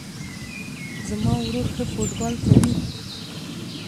زما ورور ښه فوټبال کوی